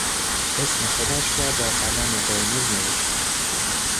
اسم خودش را با قلم قرمز نوشت.